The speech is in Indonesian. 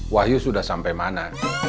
wahyu sudah sampai mana